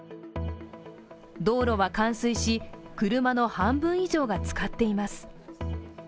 道路は冠水し、車の半分以上が浸かっています。